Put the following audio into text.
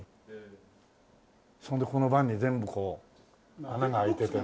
そんでこの盤に全部こう穴が開いててね。